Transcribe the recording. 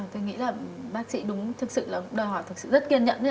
tôi nghĩ là bác sĩ đúng thực sự là đòi hỏi rất kiên nhẫn